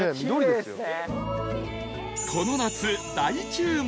この夏大注目